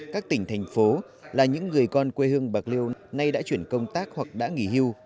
các tỉnh thành phố là những người con quê hương bạc liêu nay đã chuyển công tác hoặc đã nghỉ hưu